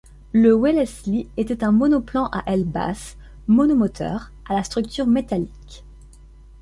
Le Wellesley était un monoplan à ailes basses, monomoteur, à la structure métallique.